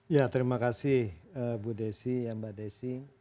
ya terima kasih bu desi ya mbak desi